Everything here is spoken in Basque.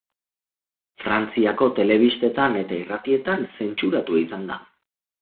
Frantziako telebistetan eta irratietan zentsuratua izan da.